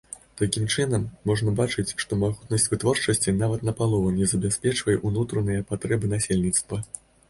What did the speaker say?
Такім чынам, можна бачыць, што магутнасць вытворчасці нават напалову не забяспечвае ўнутраныя патрэбы насельніцтва.